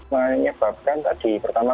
menyebabkan tadi pertama